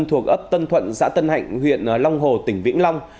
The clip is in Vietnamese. thuộc ấp tân thuận xã tân hạnh huyện long hồ tỉnh vĩnh long